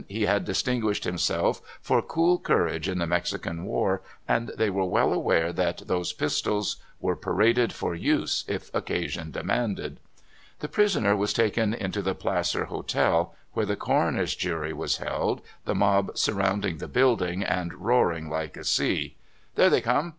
He had distinguished himself for cool courage in the Mexican war, and they were well aware that those pistols were pa raded for use if occasion demanded. The prisoner was taken into the Placer Hotel, where the coroner's jury was held, the mob sur rounding the building and roaring like a sea. "There they come!